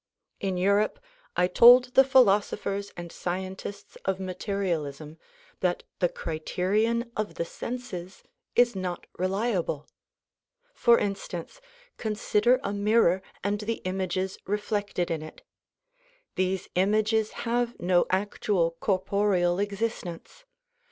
In Europe I told the philosophers and scientists of materialism that the criterion of the senses is not reliable. For instance, con sider a mirror and the images reflected in it. These images have no actual corporeal existence.